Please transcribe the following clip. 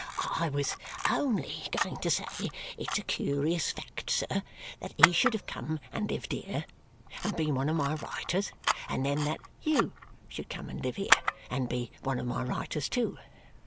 "I was only going to say it's a curious fact, sir, that he should have come and lived here, and been one of my writers, and then that you should come and live here, and be one of my writers too.